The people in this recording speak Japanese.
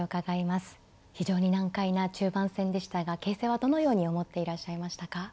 非常に難解な中盤戦でしたが形勢はどのように思っていらっしゃいましたか。